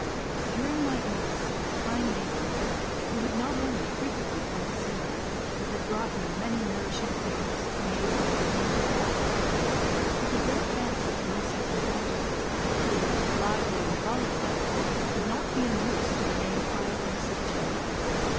During my illness, a kind neighbour, who had not only frequently come to see me, but had brought me many nourishing things, made by her own fair hands, took a great fancy to my second daughter, who, lively and volatile, could not be induced to remain quiet in the sick chamber.